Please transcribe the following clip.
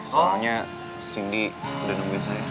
soalnya sindi udah nungguin saya